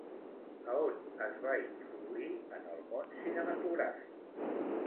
A on es va introduir en el món cinematogràfic?